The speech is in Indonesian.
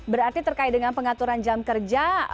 berarti terkait dengan pengaturan jam kerja